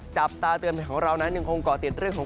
จับตาเตือนภัยของเรานั้นยังคงก่อติดเรื่องของ